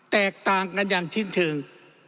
แตกต่างกันอย่างสิ้นเชิง